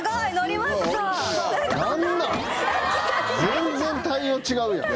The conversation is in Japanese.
全然対応違うやん。